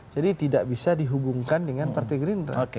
jadi tidak bisa dihubungkan dengan partai gerindra